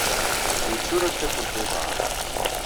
La yetturar takurt n uḍar.